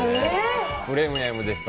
プレミアムでした。